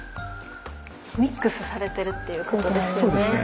ミックスされてるっていうことですよね。